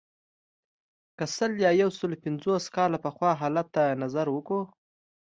که سل یا یو سلو پنځوس کاله پخوا حالت ته نظر وکړو.